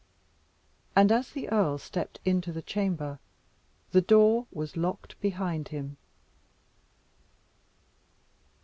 And as the earl stepped into the chamber, the door was locked behind him.